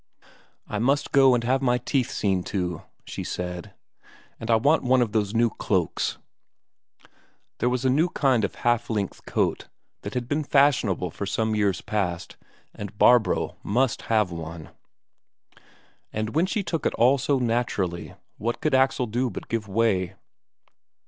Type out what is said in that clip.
"I must go and have my teeth seen to," she said. "And I want one of those new cloaks." There was a new kind of half length coat that had been fashionable for some years past, and Barbro must have one. And when she took it all so naturally, what could Axel do but give way?